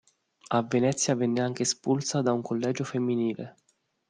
A Venezia venne anche espulsa da un collegio femminile.